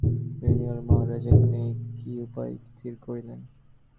বিল্বন কহিলেন, মহারাজ, এক্ষণে কী উপায় স্থির করিলেন?